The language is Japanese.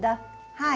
はい。